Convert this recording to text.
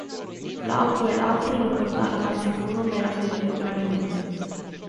Glauco ed altri lo portarono al sicuro, ma era ferito gravemente.